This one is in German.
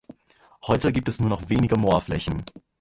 Heute gibt es nur noch wenige Moorflächen.